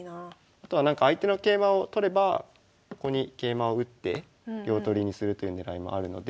あとは相手の桂馬を取ればここに桂馬を打って両取りにするという狙いもあるので。